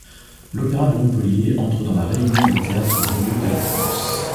L’Opéra de Montpellier entre dans la Réunion des Théâtres Lyriques de France.